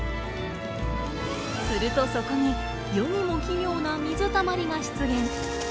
するとそこに世にも奇妙な水たまりが出現。